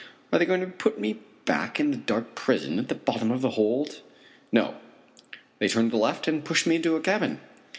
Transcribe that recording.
Are they going to put me back in my dark prison at the bottom of the hold? No. They turn to the left and push me into a cabin.